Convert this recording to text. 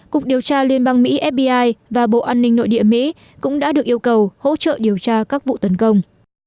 cục điều tra liên bang mỹ fbi và bộ an ninh nội địa mỹ cũng đã được yêu cầu hỗ trợ điều tra các vụ tấn công